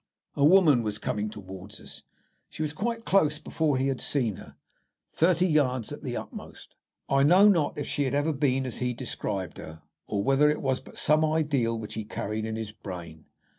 A woman was coming towards us. She was quite close before he had seen her thirty yards at the utmost. I know not if she had ever been as he described her, or whether it was but some ideal which he carried in his brain.